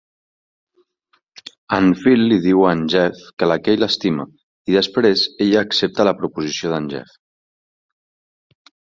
En Phil li diu a en Jeff que la Kay l'estima i després ella accepta la proposició d'en Jeff.